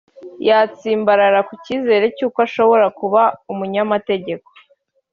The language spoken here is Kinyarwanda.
Yatsimbaraye ku cyizere cyuko ashobora kuba umunyamategeko